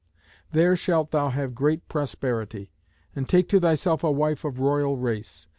There shalt thou have great prosperity, and take to thyself a wife of royal race.